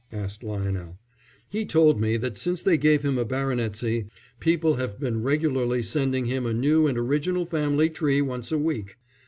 asked Lionel. "He told me that since they gave him a baronetcy people have been regularly sending him a new and original family tree once a week."